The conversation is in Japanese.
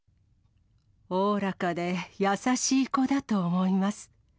おおらかで優しい子だと思います。